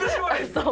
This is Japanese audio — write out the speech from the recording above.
そう！